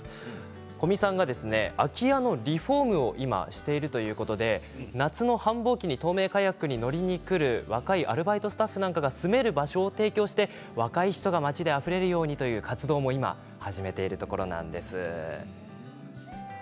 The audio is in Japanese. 古味さんが空き家のリフォームも今しているということで夏の繁忙期に透明カヤックに乗りに来る若いアルバイトスタッフなんかが住める場所を提供して若い人が町にあふれるようにという活動も今始めているということなんです。